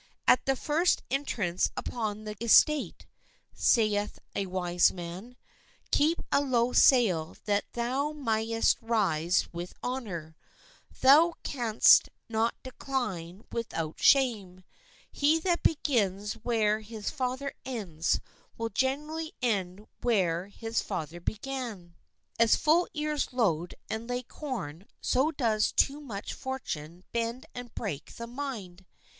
"At thy first entrance upon thy estate," saith a wise man, "keep a low sail that thou mayest rise with honor; thou canst not decline without shame; he that begins where his father ends will generally end where his father began." As full ears load and lay corn so does too much fortune bend and break the mind.